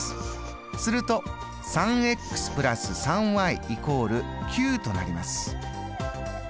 すると３＋３＝９となります。